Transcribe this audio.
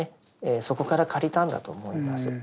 そこから借りたんだと思います。